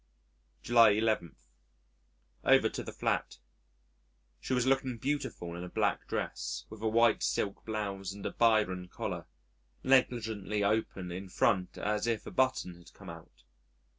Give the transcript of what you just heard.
July 11. Over to the flat. She was looking beautiful in a black dress, with a white silk blouse, and a Byron collar, negligently open in front as if a button had come out.